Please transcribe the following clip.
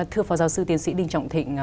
thưa phó giáo sư tiến sĩ đinh trọng thịnh